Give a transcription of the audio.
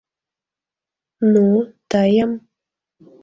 — Ну, тыйым!..